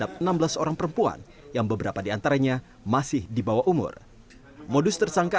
pasca tertangkap rumah dan distro milik tersangka